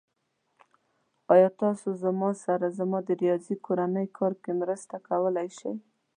ایا تاسو زما سره زما د ریاضی کورنی کار کې مرسته کولی شئ؟